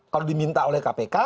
kalau diminta oleh kpk